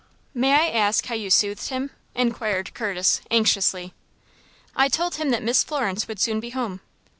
"May I ask how you soothed him?" inquired Curtis, anxiously. "I told him that Miss Florence would soon be home."